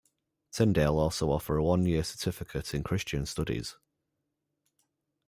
Tyndale also offer a one-year Certificate in Christian Studies.